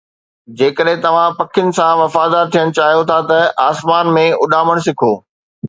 جيڪڏهن توهان پکين سان وفادار ٿيڻ چاهيو ٿا ته آسمان ۾ اڏامڻ سکو